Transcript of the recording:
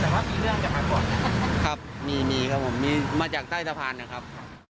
แต่ว่ามีเรื่องกันมาก่อนไหมครับมีมีครับผมมีมาจากใต้สะพานนะครับ